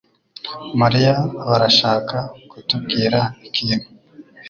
Mariya barashaka kutubwira ikintu.